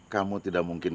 kamu tidak mungkin